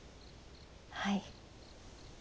はい。